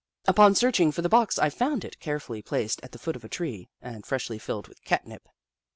Upon search ing for the box, I found it, carefully placed at the foot of a tree, and freshly filled with catnip.